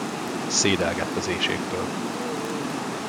Szédelgett az éhségtől.